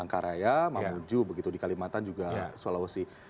palangkaraya mamuju begitu di kalimantan juga sulawesi